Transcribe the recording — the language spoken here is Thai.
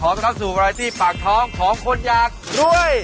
ขอรับสู้ปลายละที่ปากท้องของคนอยากร่วย